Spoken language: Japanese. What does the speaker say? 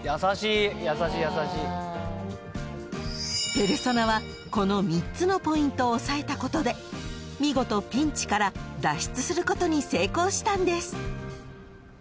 ［ペルソナはこの３つのポイントを押さえたことで見事ピンチから脱出することに成功したんです］